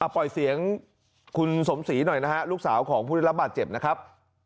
ปล่อยเสียงคุณสมศรีหน่อยนะฮะลูกสาวของผู้ได้รับบาดเจ็บนะครับ